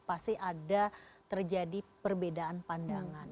pasti ada terjadi perbedaan pandangan